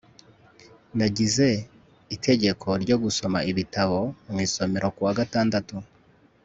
nagize itegeko ryo gusoma ibitabo mu isomero kuwa gatandatu